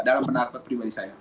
dalam penangkat pribadi saya